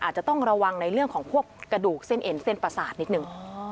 อาจจะต้องระวังในเรื่องของพวกกระดูกเส้นเอ็นเส้นประสาทนิดนึง